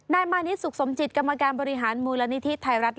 มานิดสุขสมจิตกรรมการบริหารมูลนิธิไทยรัฐ